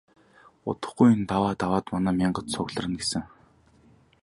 Удахгүй энэ даваа даваад манай мянгат цугларна гэсэн.